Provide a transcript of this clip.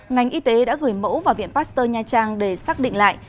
ngành y tế đã gửi mẫu vào viện pasteur nha trang để xác định lại